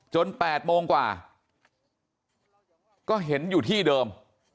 ๘โมงกว่าก็เห็นอยู่ที่เดิม